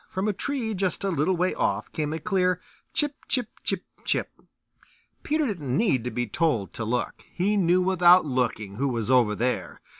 From a tree just a little way off came a clear "Chip, chip, chip, chip." Peter didn't need to be told to look. He knew without looking who was over there.